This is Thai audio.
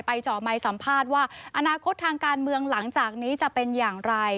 เจาะไมค์สัมภาษณ์ว่าอนาคตทางการเมืองหลังจากนี้จะเป็นอย่างไร